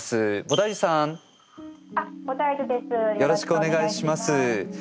よろしくお願いします。